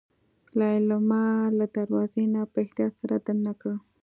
ليلما له دروازې نه په احتياط سر دننه کړ.